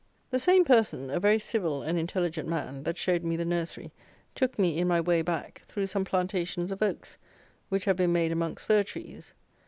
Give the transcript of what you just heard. The same person (a very civil and intelligent man) that showed me the nursery, took me, in my way, back, through some plantations of oaks, which have been made amongst fir trees.